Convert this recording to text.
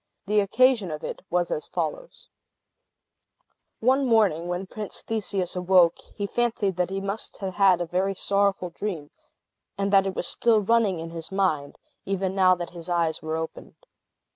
The occasion of it was as follows: One morning, when Prince Theseus awoke, he fancied that he must have had a very sorrowful dream, and that it was still running in his mind, even now that his eyes were opened.